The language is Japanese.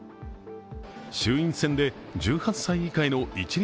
衆院選で１８歳以下への一律